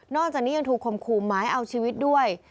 จากนี้ยังถูกคมขู่หมายเอาชีวิตด้วย